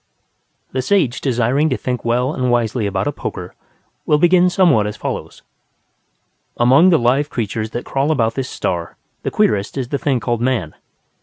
The sage desiring to think well and wisely about a poker will begin somewhat as follows: Among the live creatures that crawl about this star the queerest is the thing called Man.